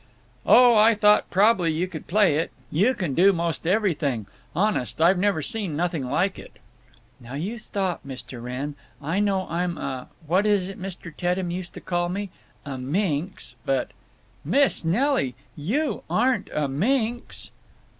"Oh, I thought prob'ly you could play it. You can do 'most everything. Honest, I've never seen nothing like it." "Now you stop, Mr. Wrenn. I know I'm a—what was it Mr. Teddem used to call me? A minx. But—" "Miss Nelly! You aren't a minx!"